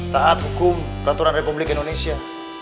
taat hukum peraturan republik indonesia